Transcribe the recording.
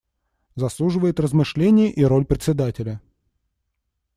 Заслуживает размышления и роль Председателя.